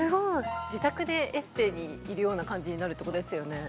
自宅でエステにいるような感じになるってことですよね？